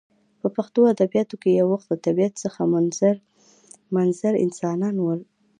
په پښتو ادبیاتو کښي یو وخت له طبیعت څخه منظر انسانان ول.